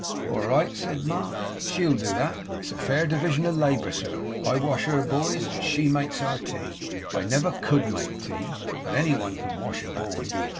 'All right,' said Mark. 'SHE'll do that. It's a fair division of labour, sir. I wash her boys, and she makes our tea. I never COULD make tea, but any one can wash a boy.